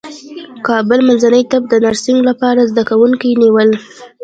کابل منځني طب د نرسنګ لپاره زدکوونکي نیول